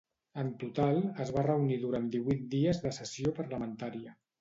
En total, es va reunir durant divuit dies de sessió parlamentària.